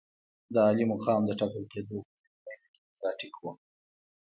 د عالي مقام د ټاکل کېدو بهیر غیر ډیموکراتیک وو.